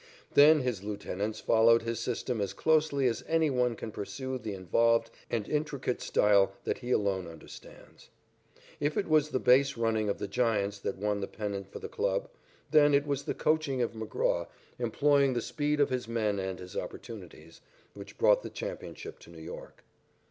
Then his lieutenants followed his system as closely as any one can pursue the involved and intricate style that he alone understands. If it was the base running of the Giants that won the pennant for the club, then it was the coaching of McGraw, employing the speed of his men and his opportunities, which brought the championship to New York.